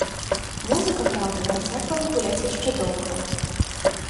Музыка, праўда, працягвала гуляць яшчэ доўга.